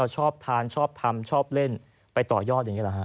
ชอบทานชอบทำชอบเล่นไปต่อยอดอย่างนี้หรอฮ